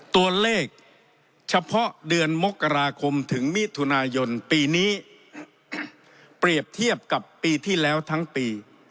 ตัวเลขเฉพาะเดือนมกราคมถึงมิถุนายนปีนี้เปรียบเทียบกับปีที่แล้วทั้งปี